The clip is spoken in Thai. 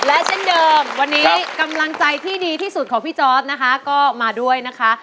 และเช่นเดิมวันนี้กำลังใจที่ดีที่สุดของพี่จอร์ดนะคะก็มาด้วยนะคะ